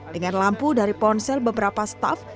dengan lampu dari ponsel beberapa staff